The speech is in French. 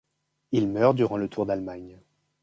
Il meurt le durant le Tour d'Allemagne.